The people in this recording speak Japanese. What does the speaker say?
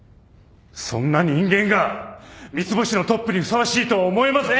そんな人間が三ツ星のトップにふさわしいとは思えません！